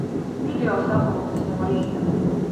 Video sapulces no rīta.